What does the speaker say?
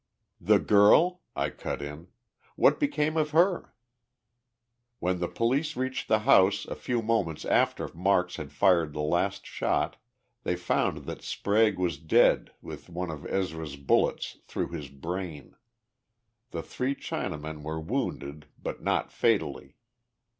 "The girl?" I cut in. "What became of her?" "When the police reached the house a few moments after Marks had fired the last shot, they found that Sprague was dead with one of Ezra's bullets through his brain. The three Chinamen were wounded, but not fatally.